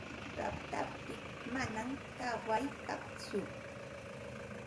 Rashtaptin manam kaway kantsu.